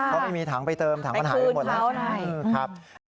เขาไม่มีถังไปเติมถังปัญหาไปหมดใช่ครับ